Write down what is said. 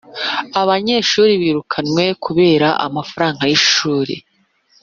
Abanyeshuri birukanywe kubera amafaranga y’ ishuri